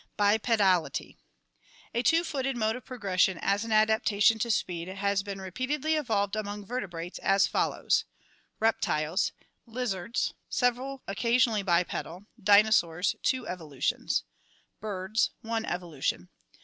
Bipedality A two footed mode of progression as an adaptation to speed has been repeatedly evolved among vertebrates, as follows: Reptiles. Lizards, several occasionally bipedal. Dinosaurs, two evolutions.1 Birds. One evolution.